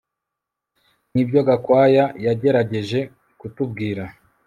Nibyo Gakwaya yagerageje kutubwira